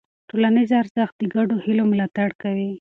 ټولنیز ارزښت د ګډو هيلو ملاتړ کوي.